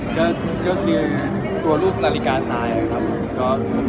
ก็คือตัวรูปนาฬิกาซ้ายนะครับ